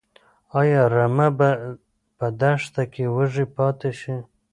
ايا رمه به په دښته کې وږي پاتې شي؟